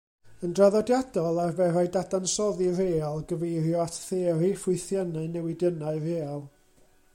Yn draddodiadol, arferai dadansoddi real gyfeirio at theori ffwythiannau newidynnau real.